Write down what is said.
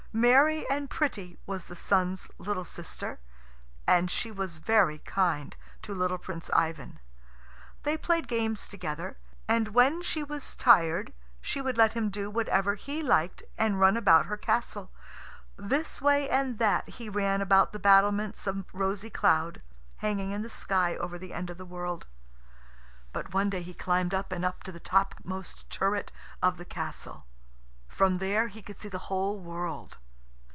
Merry and pretty was the Sun's little sister, and she was very kind to little Prince Ivan. They played games together, and when she was tired she let him do whatever he liked and run about her castle. This way and that he ran about the battlements of rosy cloud, hanging in the sky over the end of the world. But one day he climbed up and up to the topmost turret of the castle. From there he could see the whole world.